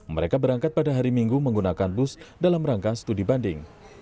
mereka berangkat pada hari minggu menggunakan bus dalam rangka studi banding